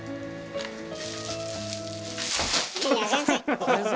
いや先生。